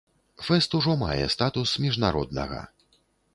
Фэст ужо мае статус міжнароднага.